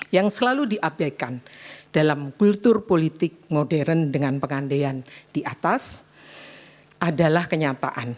yang selalu diabaikan dalam kultur politik modern dengan pengandaian di atas adalah kenyataan